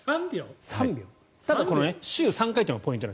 ただ、週３回というのがポイント。